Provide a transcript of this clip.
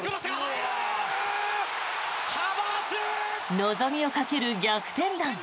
望みをかける逆転弾。